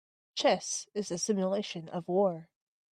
Chess is a simulation of war.